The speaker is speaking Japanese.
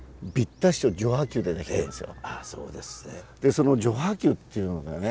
その序破急っていうのがね